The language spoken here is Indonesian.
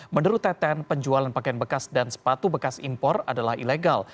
menurut teten penjualan pakaian bekas dan sepatu bekas impor adalah ilegal